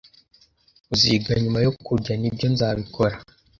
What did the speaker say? "Uziga nyuma yo kurya?" "Nibyo, nzabikora."